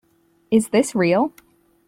Is This Real?